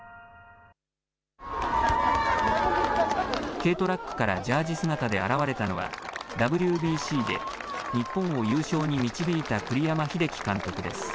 軽トラックからジャージ姿で現れたのはＷＢＣで日本を優勝に導いた栗山英樹監督です。